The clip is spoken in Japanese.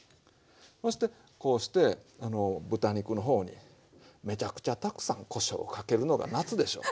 そしてこうして豚肉の方にめちゃくちゃたくさんこしょうをかけるのが夏でしょ。